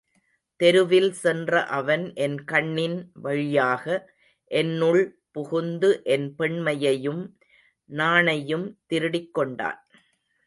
தெருவில் சென்ற அவன் என் கண்ணின் வழியாக என்னுள் புகுந்து என் பெண்மையையும் நாணையும் திருடிக் கொண்டான்.